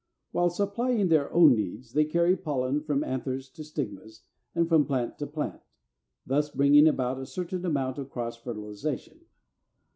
While supplying their own needs, they carry pollen from anthers to stigmas and from plant to plant, thus bringing about a certain amount of cross fertilization.